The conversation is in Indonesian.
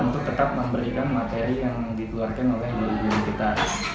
untuk tetap memberikan materi yang dikeluarkan oleh guru kita